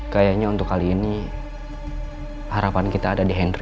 kayaknya untuk kali ini harapan kita ada di henry